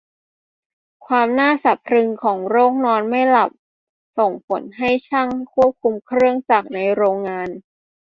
ความน่าสะพรึงของโรคนอนไม่หลับส่งผลให้ช่างคุมเครื่องจักรในโรงงาน